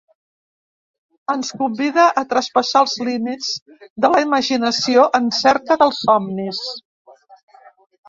Ens convida a traspassar els límits de la imaginació en cerca dels somnis.